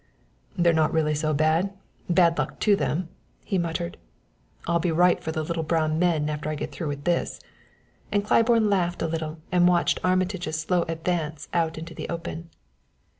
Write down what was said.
"They're really not so bad bad luck to them!" he muttered. "I'll be ripe for the little brown men after I get through with this;" and Claiborne laughed a little and watched Armitage's slow advance out into the open.